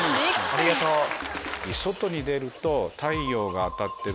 ありがとう！え